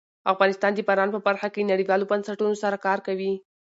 افغانستان د باران په برخه کې نړیوالو بنسټونو سره کار کوي.